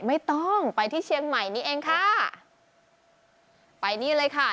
ไม่ต้องไปที่เชียงใหม่นี่เองค่ะไปนี่เลยค่ะ